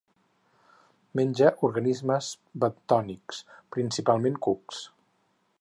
Menja organismes bentònics, principalment cucs.